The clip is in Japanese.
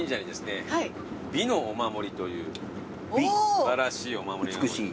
素晴らしいお守りが。